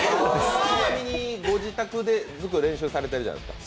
ちなみに、ご自宅でずっと練習されているじゃないですか。